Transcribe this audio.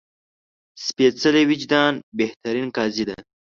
سپېڅلی وجدان بهترین قاضي ده